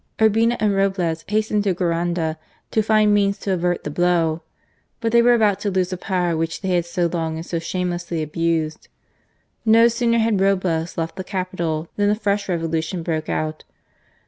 Urbina and Roblez hastened to THE NATIONAL RISING. 79 Guaranda to find means to avert the blow. But they were about to lose a power which they had so long and so shamelessly abused. No sooner had Roblez left the capital than a fresh revolution broke out.